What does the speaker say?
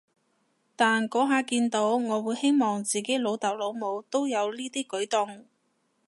但嗰下見到，我會希望自己老豆老母都有呢啲舉動